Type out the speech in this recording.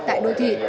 tại đô thị